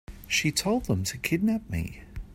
She told them to kidnap me.